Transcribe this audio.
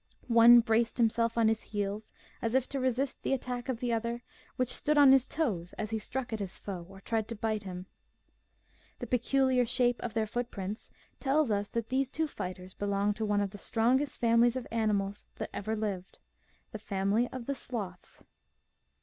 One braced himself on his heels as if to resist the attack of the other which stood on his toes as he struck at his foe or tried to bite him. The peculiar shape of their footprints tells us that these two fighters belonged to one of the strongest families of animals that ever lived the family of the sloths.